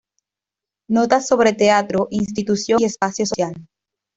Notas sobre teatro, institución y espacio social".